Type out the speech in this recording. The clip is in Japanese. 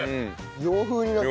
洋風になった。